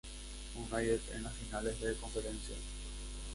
United en las finales de conferencia.